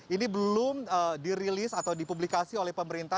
ini belum dirilis atau dipublikasi oleh pemerintah